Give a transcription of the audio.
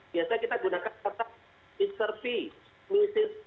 biasa kita gunakan kata mr v mrs v